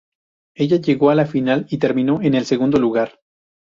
Ella llegó a la final y terminó en el segundo lugar.